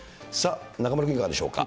中丸君、いかがでしょうか。